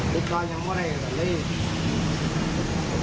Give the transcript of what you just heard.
พวกก็ยังไม่ได้การเล่น